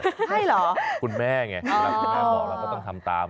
ใช่เหรอคุณแม่ไงหลักแม่พ่อเราก็ต้องทำตาม